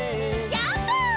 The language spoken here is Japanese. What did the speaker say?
ジャンプ！